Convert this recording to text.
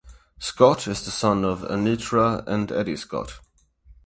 Scott is the son of Anitra and Eddie Scott.